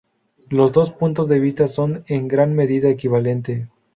Los dos puntos de vista son en gran medida equivalente.